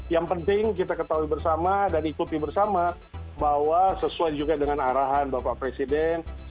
yang penting kita ketahui bersama dan ikuti bersama bahwa sesuai juga dengan arahan bapak presiden